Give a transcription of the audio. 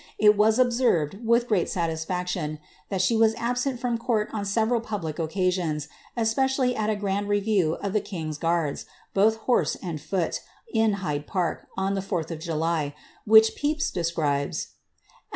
It was observed, with greit 'i satisfaction, that she was absent from court on several pablie occa ; sions especially at a grand review of the king^s guards, both horw < and foot, in Hyde Park, on the 4th of July, which Pepys describes '^u